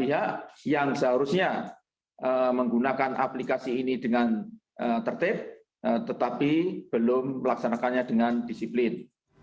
pihak yang seharusnya menggunakan aplikasi ini dengan tertib tetapi belum melaksanakannya dengan disiplin